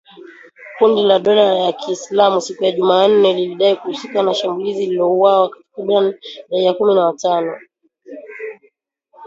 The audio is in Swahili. Kundi la dola ya Kiislamu siku ya Jumanne ,lilidai kuhusika na shambulizi lililoua takribani raia kumi na watano